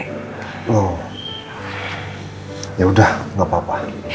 oh yaudah gapapa